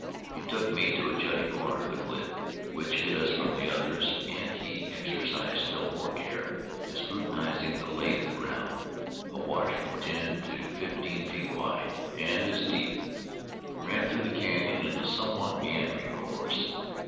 He took me to a jutting corner of cliff, which hid us from the others, and here he exercised still more care in scrutinizing the lay of the ground. A wash from ten to fifteen feet wide, and as deep, ran through the canyon in a somewhat meandering course.